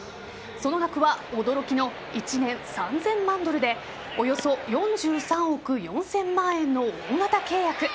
その額は驚きの１年３０００万ドルでおよそ４３億４０００万円の大型契約。